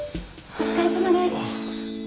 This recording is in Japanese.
お疲れさまです。